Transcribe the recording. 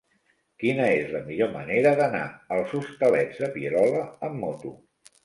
Quina és la millor manera d'anar als Hostalets de Pierola amb moto?